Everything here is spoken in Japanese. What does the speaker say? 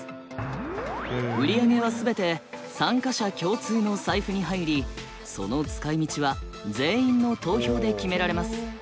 売り上げは全て参加者共通の財布に入りその使いみちは全員の投票で決められます。